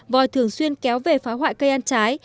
vòi thường xuyên kéo về phá hoại cây ăn trái